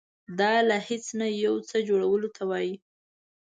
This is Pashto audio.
دا له هیڅ نه یو څه جوړولو ته وایي.